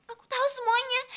aku tahu semuanya